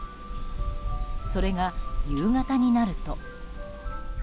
それが夕方になると。